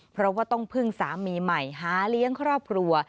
เพราะว่าต้องพึ่งสามีใหม่หาเลี้ยงครอบครัว